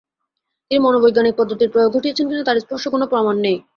তিনি মনোবৈজ্ঞানিক পদ্ধতির প্রয়োগ ঘটিয়েছেন কিনা তার স্পষ্ট কোনো প্রমাণ নেই।